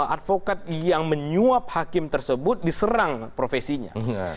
advokat yang menyuap hakim tersebut diserang profesinya